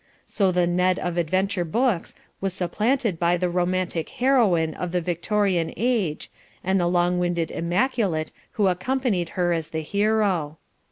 So the "Ned" of the Adventure Books was supplanted by the Romantic Heroine of the Victorian Age and the Long winded Immaculate who accompanied her as the Hero.